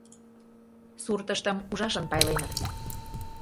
Суртыштым ужашын пайленыт.